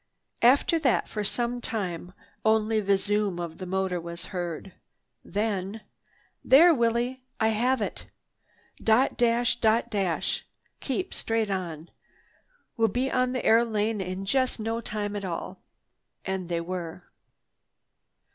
After that for some time only the zoom of the motor was heard. Then— "There, Willie! I have it. Dot dash, dot dash! Keep straight on. We'll be on the air lane in just no time at all." And they were.